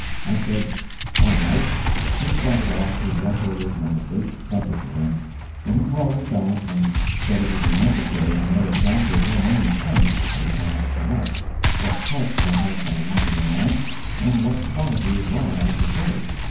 I said, "All right," and started off to wrestle with my great subject again, when he called me back and said it would be necessary to know exactly how many "points" I wanted put up, what parts of the house I wanted them on, and what quality of rod I preferred.